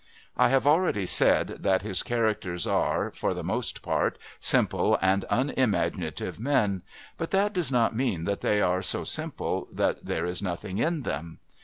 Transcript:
I have already said that his characters are, for the most part, simple and unimaginative men, but that does not mean that they are so simple that there is nothing in them.